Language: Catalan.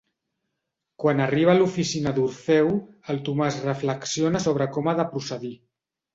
Quan arriba a l'oficina d'Orfeu, el Tomàs reflexiona sobre com ha de procedir.